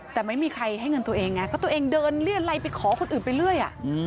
แต่ไม่มีใครให้เงินตัวเองไงก็ตัวเองเดินเลี่ยนไลไปขอคนอื่นไปเรื่อย